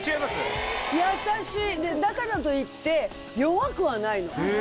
でだからといって弱くはないの。